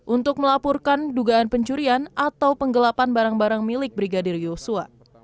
untuk melaporkan dugaan pencurian atau penggelapan barang barang milik brigadir yosua